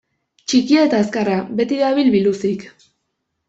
Txikia eta azkarra, beti dabil biluzik.